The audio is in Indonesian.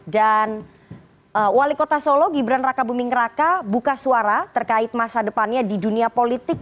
dan wali kota solo gibran raka buming raka buka suara terkait masa depannya di dunia politik